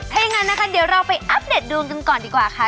หลงจากนั้นนะคะเดี๋ยวเราไปอัปเดทดูกันก่อนดีกว่าค่ะ